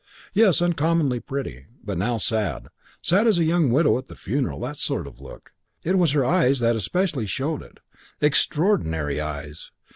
Yes, uncommonly pretty, but now sad sad as a young widow at the funeral, that sort of look. It was her eyes that especially showed it. Extraordinary eyes.